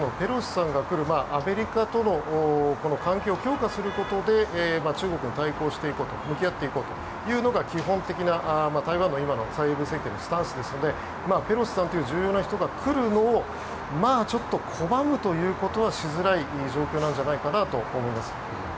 台湾としてはペロシさんが来るアメリカとの関係を強化することで中国に対抗していこうと向き合っていこうというのが今の蔡英文政権のスタンスですのでペロシさんが来るのを拒むというのはしづらい状況なんじゃないかと思います。